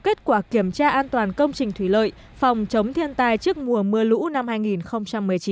kết quả kiểm tra an toàn công trình thủy lợi phòng chống thiên tai trước mùa mưa lũ năm hai nghìn một mươi chín